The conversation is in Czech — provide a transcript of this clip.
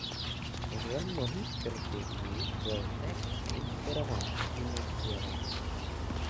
Podle mnohých kritiků byl text inspirován přímo zpěvačkou.